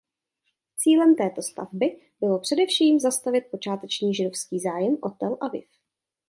Cílem této stavby bylo především zastavit počáteční židovský zájem o Tel Aviv.